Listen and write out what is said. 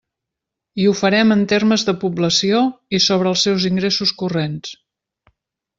I ho farem en termes de població i sobre els seus ingressos corrents.